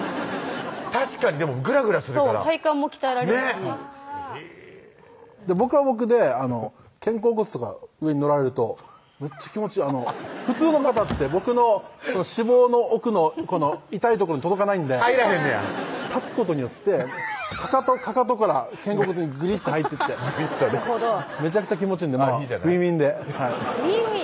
確かにグラグラするからそう体幹も鍛えられるし僕は僕で肩甲骨とか上に乗られるとめっちゃ気持ちいい普通の方って僕の脂肪の奥のこの痛い所に届かないんで入らへんねや立つことによってかかとから肩甲骨にグリッて入ってきてめちゃくちゃ気持ちいいんでウィンウィンでウィンウィン？